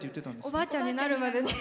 おばあちゃんになるまで。